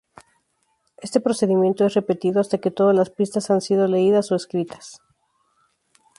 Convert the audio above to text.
Este procedimiento es repetido hasta que todas las pistas han sido leídas o escritas.